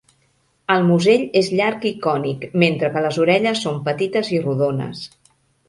El musell és llarg i cònic, mentre que les orelles són petites i rodones.